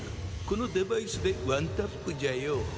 このデバイスでワンタップじゃよ。